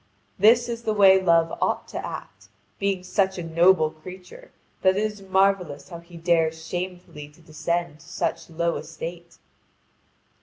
This is the way Love ought to act, being such a noble creature that it is marvellous how he dares shamefully to descend to such low estate.